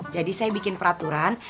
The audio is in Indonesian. jadi saya bikin peraturan